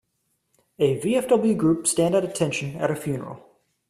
A VFW group stand at attention at a funeral.